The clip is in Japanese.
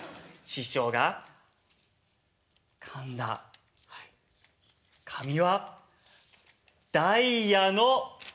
師匠がかんだ紙はダイヤの４！